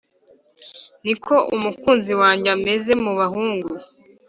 Ni ko umukunzi wanjye ameze mu bahungu